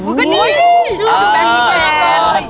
อุ้ยชื่อถูกแบกแชน